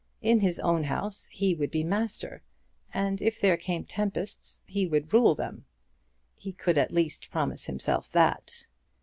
In his own house he would be master, and if there came tempests he would rule them. He could at least promise himself that.